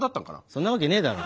そんなわけねえだろ。